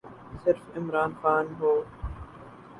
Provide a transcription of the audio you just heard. صرف عمران خان ہوں۔